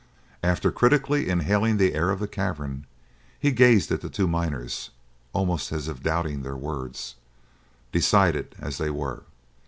After critically inhaling the air of the cavern, he gazed at the two miners, almost as if doubting their words, decided as they were.